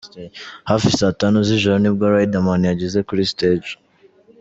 Hafi Saa Tanu z'ijoro ni bwo Riderman yageze kuri stage.